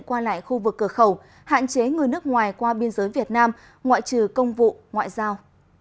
qua lại khu vực cửa khẩu hạn chế người nước ngoài qua biên giới việt nam ngoại trừ công vụ ngoại giao